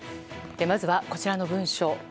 まずはこちらの文書。